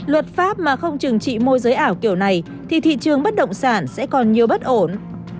luật pháp mà không chừng trị môi giới ảo kiểu này thì thị trường bất động sản sẽ còn nhiều bất ổn